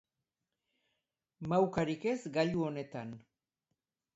Maukarik ez gailu honetan.